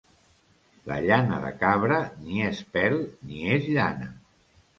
La llana de cabra ni és pèl ni és llana.